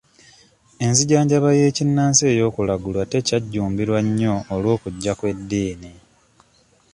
Enzijanjaba y'ekinnansi ey'okulagulwa tekyajjumbirwa nnyo olw'okujja kw'eddiini.